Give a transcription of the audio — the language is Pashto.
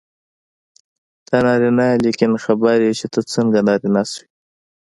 ته نارینه یې لیکن خبر یې چې ته څنګه نارینه شوې.